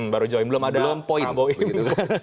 belum ada point